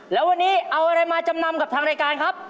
แล้ววันนี้เอาอะไรมาจำนำกับทางรายการครับ